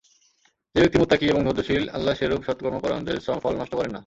যে ব্যক্তি মুত্তাকী এবং ধৈর্যশীল, আল্লাহ সেরূপ সৎকর্ম পরায়ণদের শ্রমফল নষ্ট করেন না।